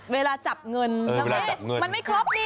เวลาจับเงินมันไม่ครบนี่